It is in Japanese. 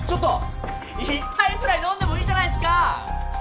一杯ぐらい飲んでもいいじゃないっすか！